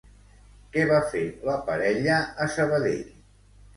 Què va fer la parella a Sabadell?